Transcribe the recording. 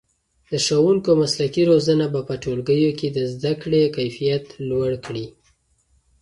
د ښوونکو مسلکي روزنه به په ټولګیو کې د زده کړې کیفیت لوړ کړي.